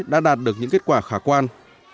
đã đạt được những kết quả khả quan